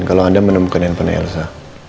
kalau anda menemukan handphone irza